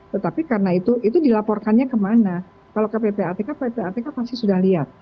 tetapi karena itu dilaporkannya kemana kalau ke ppatk ppatk pasti sudah lihat